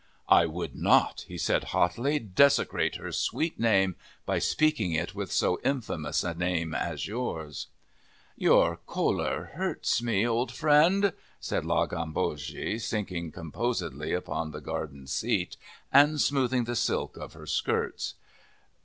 "I would not," he said hotly, "desecrate her sweet name by speaking it with so infamous a name as yours." "Your choler hurts me, old friend," said La Gambogi, sinking composedly upon the garden seat and smoothing the silk of her skirts.